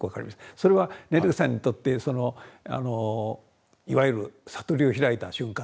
それはネルケさんにとっていわゆる悟りを開いた瞬間ですか？